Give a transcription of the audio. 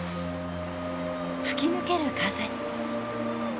吹き抜ける風。